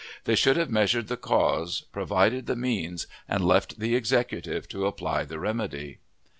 They should have measured the cause, provided the means, and left the Executive to apply the remedy.